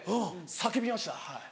叫びましたはい。